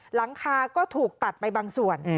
หลังคาก็ถูกตัดไปบางส่วน